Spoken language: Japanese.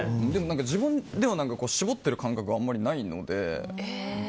自分でも絞ってる感覚があまりないので。